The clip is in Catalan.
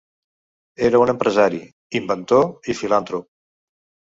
Era un empresari, inventor i filantrop.